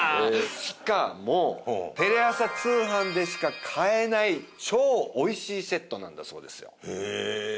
しかもテレ朝通販でしか買えない超おいしいセットなんだそうですよ。へえ。